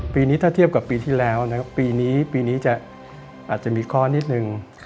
ปีนี้ถ้าเทียบกับปีที่แล้วนะครับปีนี้ปีนี้จะอาจจะมีข้อนิดนึง